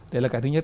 đấy là cái thứ nhất